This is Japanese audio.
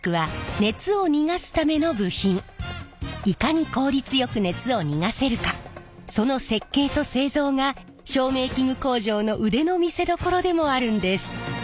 いかに効率よく熱を逃がせるかその設計と製造が照明器具工場の腕の見せどころでもあるんです。